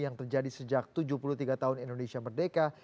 yang terjadi sejak tujuh puluh tiga tahun indonesia merdeka